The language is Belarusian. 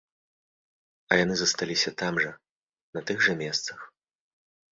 А яны засталіся там жа, на тых жа месцах.